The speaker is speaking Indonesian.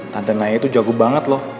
tante naya tuh jago banget loh